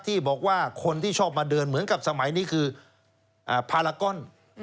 ที่บอกว่าคนที่ชอบมาเดินเหมือนกับสมัยนี้คือพารากอน